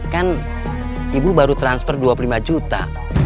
kan ibu baru transfer dua puluh lima juta